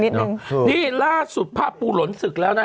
นี่ล่าสุดพระปูหลนศึกแล้วนะฮะ